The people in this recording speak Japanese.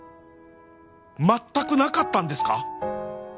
まったくなかったんですか？